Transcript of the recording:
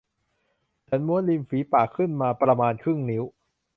ฉันม้วนริมฝีปากขึ้นมาประมาณครึ่งนิ้ว